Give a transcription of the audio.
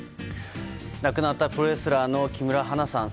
亡くなったプロレスラーの木村花さん。